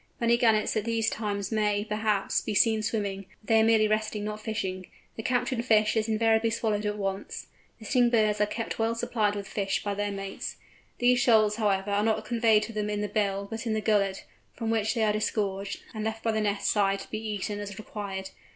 Many Gannets at these times may, perhaps, be seen swimming, but they are merely resting, not fishing. The captured fish is invariably swallowed at once. The sitting birds are kept well supplied with fish by their mates. These fish, however, are not conveyed to them in the beak, but in the gullet, from which they are disgorged, and left by the nest side to be eaten as required.